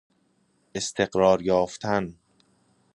استقرار یافتن